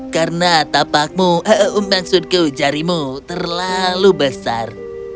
karena tapakmu eh maksudku jarimu terlalu besar